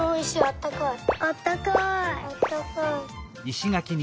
あったかい。